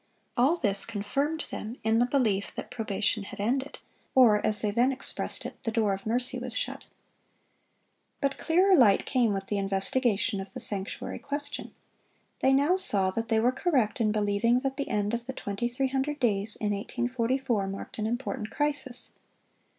All this confirmed them in the belief that probation had ended, or, as they then expressed it, "the door of mercy was shut." But clearer light came with the investigation of the sanctuary question. They now saw that they were correct in believing that the end of the 2300 days in 1844 marked an important crisis.